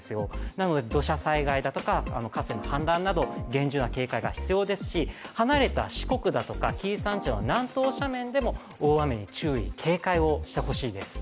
なので土砂災害だとか河川の氾濫など厳重な警戒が必要ですし離れた四国だとか紀伊山地は南東斜面でも大雨に注意、警戒をしてほしいです。